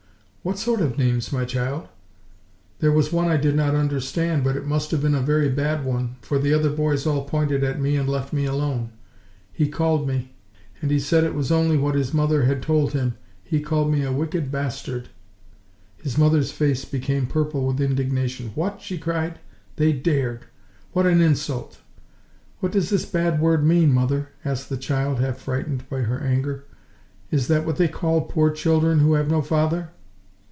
"What sort of names, my child?" "There was one I did not understand, but it must have been a very bad one, for the other boys all pointed at me, and left me alone. He called me—and he said it was only what his mother had told him—he called me a wicked bastard!" His mother's face became purple with indignation. "What!" she cried, "they dared! ... What an insult!" "What does this bad word mean, mother?" asked the child, half frightened by her anger. "Is that what they call poor children who have no father?"